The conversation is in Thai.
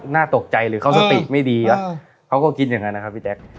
น่าตกใจหรือเขาสติไม่ดีวะเขาก็คิดอย่างนั้นนะครับพี่แจ๊ค